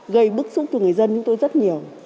gây bức xúc cho người dân chúng tôi rất nhiều